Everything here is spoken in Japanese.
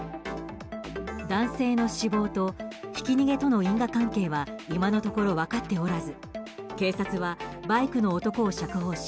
男性の死亡とひき逃げとの因果関係は今のところ分かっておらず警察はバイクの男を釈放し